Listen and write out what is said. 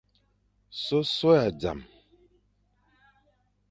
Sôsôe a zam.